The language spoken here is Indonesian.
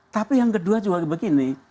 tapi yang kedua juga begini